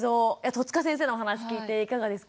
戸塚先生のお話聞いていかがですか？